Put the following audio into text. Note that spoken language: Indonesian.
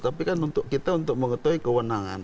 tapi kan untuk kita untuk mengetahui kewenangan